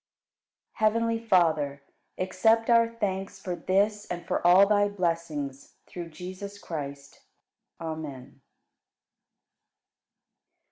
56. Heavenly Father, accept our thanks for this and for all Thy blessings, through Jesus Christ. Amen.